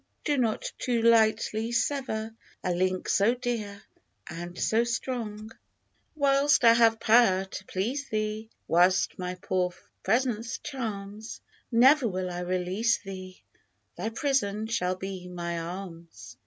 do not too lightly sever A link so dear and so strong ! Whilst I have powV to please thee, Whilst my poor presence charms, Never will I release thee, Thy prison shall be my arms